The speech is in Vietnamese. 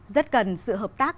rất cần sự hợp tác